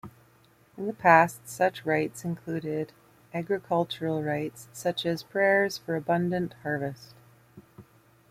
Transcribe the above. In the past such rites included agricultural rites, such as prayers for abundant harvest.